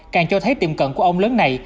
càng cho thấy tiềm cận của ông lớn này